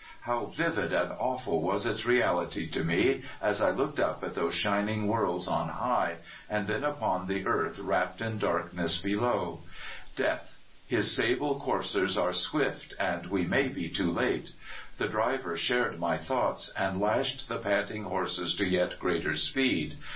how vivid and awful was its reahty to me as I looked up at those shining worlds on high, and then upon the earth wrapped in darkness below! Death! his sable coursers are swift, and we may be too late ! The driver shared my thoughts, and lashed the panting horses to yet greater speed.